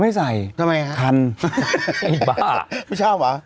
พี่ป๋องก็ทำแล้วนะพี่เดี๋ยวชอบเอาไม่ใส่ทำไมฮะคะนบ้าไม่ชอบอ่ะ